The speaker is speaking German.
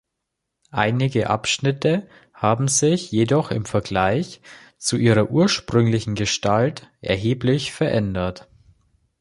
Einige Abschnitte haben sich jedoch im Vergleich zu ihrer ursprünglichen Gestalt erheblich verändert.